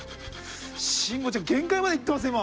慎吾ちゃん限界までいってますね今！